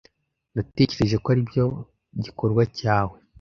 Natekereje ko aribyo gikorwa cyawe.